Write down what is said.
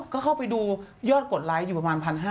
ก็เข้าไปดูยอดกดไลค์อยู่ประมาณ๑๕๐๐